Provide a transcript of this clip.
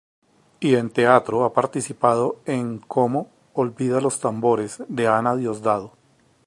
Y en teatro ha participado en como "Olvida los tambores", de Ana Diosdado.